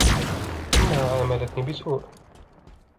إنها عاملتني بسوء.